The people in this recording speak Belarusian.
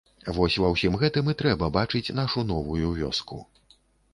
Вось ва ўсім гэтым і трэба бачыць нашу новую вёску.